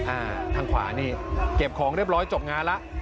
อ่าทางขวานี่เก็บของเรียบร้อยจบงานแล้ว